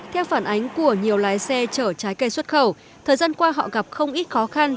theo phản ánh của nhiều lái xe chở trái cây xuất khẩu thời gian qua họ gặp không ít khó khăn